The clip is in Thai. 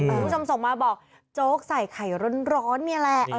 คุณผู้ชมส่งมาบอกโจ๊กใส่ไข่ร้อนนี่แหละ